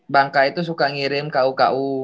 bangka itu suka ngirim ku ku